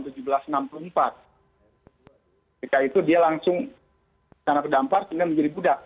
ketika itu dia langsung karena terdampar kemudian menjadi budak